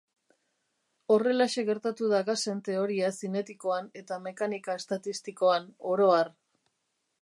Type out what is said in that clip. Horrelaxe gertatu da gasen teoria zinetikoan eta mekanika estatistikoan, oro har.